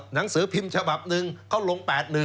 หนังสือพิมพ์ฉบับหนึ่งเขาลง๘๑